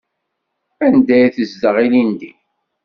Anda ay tezdeɣ ilindi?